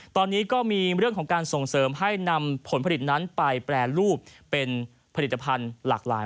ตอนนี้ก็มีเรื่องของการส่งเสริมให้นำผลผลิตนั้นไปแปรรูปเป็นผลิตภัณฑ์หลากหลาย